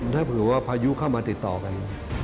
ถ้าเผื่อว่าพายุเข้ามาติดต่อกัน